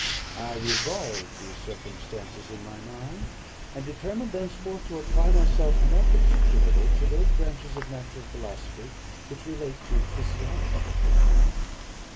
I revolved these circumstances in my mind, and determined thenceforth to apply myself more particularly to those branches of natural philosophy which relate to physiology.